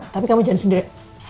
tapi kamu jangan sendiri